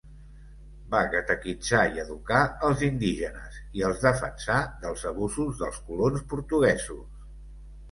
Va catequitzar i educar els indígenes, i els defensà dels abusos dels colons portuguesos.